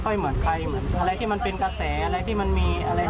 เหมือนอะไรที่มันเป็นกระแสอะไรที่มันมีอะไรใหม่